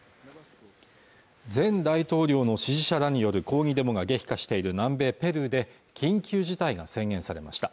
前大統領の支持者らによる抗議デモが激化している南米ペルーで緊急事態が宣言されました